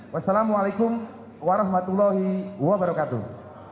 wassalamualaikum warahmatullahi wabarakatuh